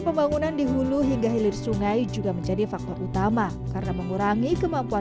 pembangunan di hulu hingga hilir sungai juga menjadi faktor utama karena mengurangi kemampuan